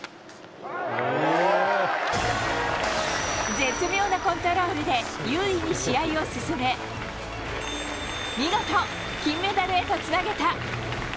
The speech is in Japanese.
絶妙なコントロールで優位に試合を進め、見事、金メダルへとつなげた。